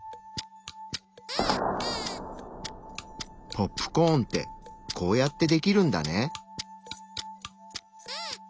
ポップコーンってこうやってできるんだね。